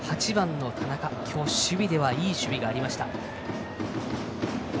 今日、守備ではいい守備がありました。